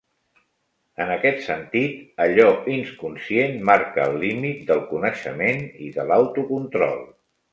En aquest sentit, allò inconscient marca el límit del coneixement i de l'autocontrol.